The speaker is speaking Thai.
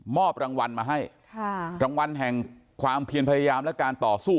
รางวัลมาให้ค่ะรางวัลแห่งความเพียรพยายามและการต่อสู้